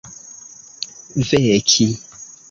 veki